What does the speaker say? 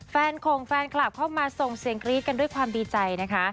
ของแฟนคลับเข้ามาส่งเสียงกรี๊ดกันด้วยความดีใจนะคะ